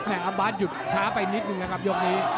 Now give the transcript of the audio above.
อัมบาสหยุดช้าไปนิดนึงนะครับยกนี้